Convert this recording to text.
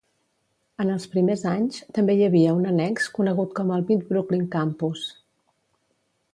En els primers anys, també hi havia un annex, conegut com el "Mid-Brooklyn campus".